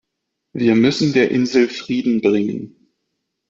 Wir müssen der Insel Frieden bringen.